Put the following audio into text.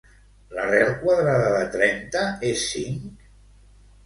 L'arrel quadrada de trenta és cinc?